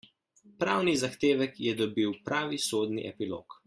Pravni zahtevek je dobil pravi sodni epilog.